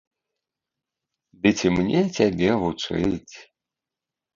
Ды ці мне цябе вучыць?